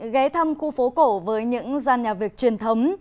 ghé thăm khu phố cổ với những gian nhà việc truyền thống